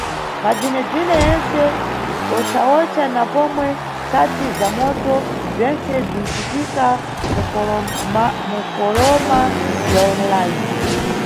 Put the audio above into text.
Mabzwinebzwine yentse, wochawocha na pomwe ntsatsi za moto bzwentse bzwincitika mufoloma ya online.